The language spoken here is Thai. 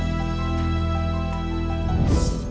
หลบหลบหลบหลบหลบ